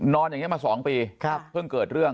นอนอย่างนี้มา๒ปีเพิ่งเกิดเรื่อง